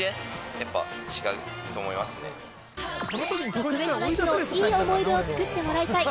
特別な日のいい思い出を作ってもらいたい。